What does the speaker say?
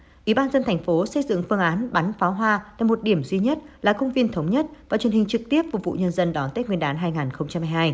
ủy ban dân thành phố xây dựng phương án bắn pháo hoa tại một điểm duy nhất là công viên thống nhất và truyền hình trực tiếp phục vụ nhân dân đón tết nguyên đán hai nghìn hai mươi hai